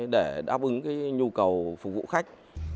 để đáp ứng nhu cầu phục vụ khách